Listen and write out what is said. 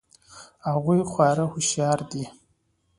هغوی خورا هوښیار دي